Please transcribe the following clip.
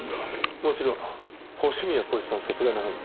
もちろん星宮光一さん殺害の犯人ですよ。